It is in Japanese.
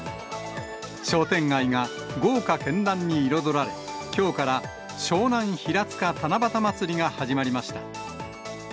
商店街が豪華けんらんに彩られ、きょうから湘南ひらつか七夕まつりが始まりました。